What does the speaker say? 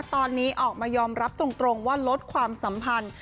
ตอนนี้ออกมายอมรับตรงว่าลดความสัมพันธ์